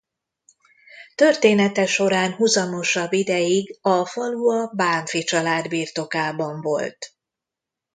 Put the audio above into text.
Története során huzamosabb ideig a falu a Bánffy család birtokában volt.